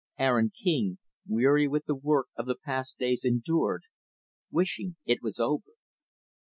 Aaron King, weary with the work of the past days, endured wishing it was over.